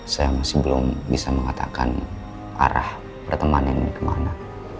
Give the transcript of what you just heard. saya masih belum bisa mengatakan arah pertemanan ini kemana